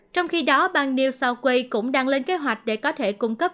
trong khi đó bang new south way cũng đang lên kế hoạch để có thể cung cấp